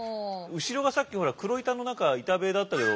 後ろがさっきほら黒板の何か板塀だったけど。